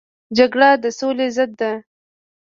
جګړه د سولې ضد ده